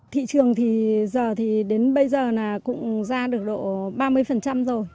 thị trường thì giờ thì đến bây giờ là cũng ra được độ ba mươi rồi